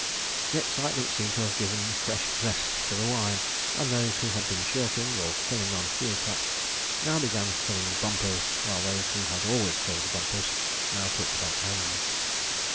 The excitement seemed to have given fresh zest to the wine, and those who had been shirking, or filling on heel taps, now began filling bumpers, while those who always filled bumpers now took back hands.